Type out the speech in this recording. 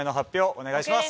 お願いします。